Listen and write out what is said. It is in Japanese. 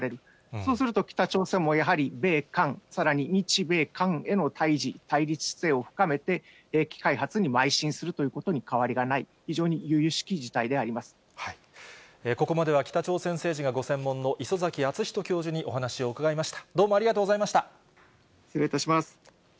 そうすると北朝鮮もやはり米韓、さらに日米韓への対じ、対立姿勢を深めて、兵器開発にまい進することにかわりがない、非常にゆゆしき事態でここまでは北朝鮮政治がご専門の礒崎敦仁教授にお話を伺いしました。